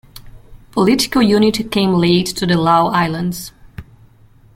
Political unity came late to the Lau Islands.